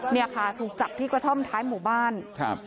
เนี่ยค่ะถูกจับที่กระท่อมท้ายหมู่บ้านครับ